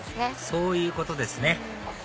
そういうことですね